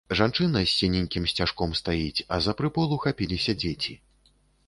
Жанчына з сіненькім сцяжком стаіць, а за прыпол ухапіліся дзеці.